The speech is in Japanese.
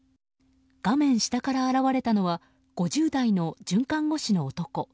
画面下から現れたのは５０代の准看護師の男。